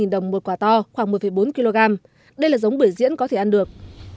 bảy trăm năm mươi đồng một quả to khoảng một bốn kg đây là giống bưởi diễn có thể ăn được